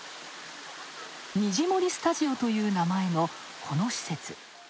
にじもりスタジオという名前のこの施設。